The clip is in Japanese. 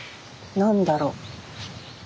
何だろう。